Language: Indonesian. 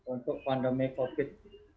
untuk pandemi covid sembilan belas